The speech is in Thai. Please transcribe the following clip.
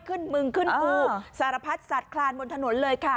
มึงขึ้นกูสารพัดสัตว์คลานบนถนนเลยค่ะ